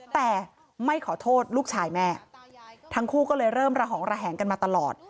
แต่ไม่ขอโทษลูกชายแม่ทั้งคู่ก็เลยเริ่มระหองระแหงกันมาตลอด